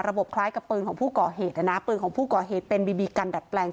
คล้ายกับปืนของผู้ก่อเหตุนะนะปืนของผู้ก่อเหตุเป็นบีบีกันดัดแปลง